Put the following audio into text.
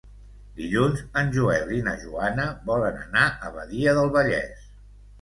Dilluns en Joel i na Joana volen anar a Badia del Vallès.